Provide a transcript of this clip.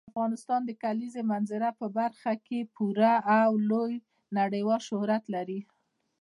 افغانستان د کلیزو منظره په برخه کې پوره او لوی نړیوال شهرت لري.